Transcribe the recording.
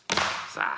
さあ